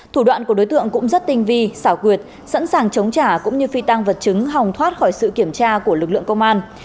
thủ đoạn của đối tượng cũng rất tinh vi xảo quyệt sẵn sàng chống trả cũng như phi tăng vật chứng hòng thoát khỏi sự kiểm tra của lực lượng công an